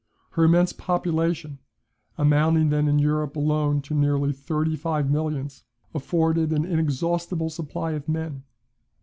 Her immense population, amounting then in Europe alone to nearly thirty five millions, afforded an inexhaustible supply of men.